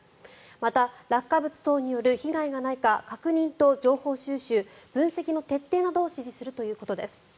また落下物等による被害がないか確認と情報収集分析の徹底などを指示するということです。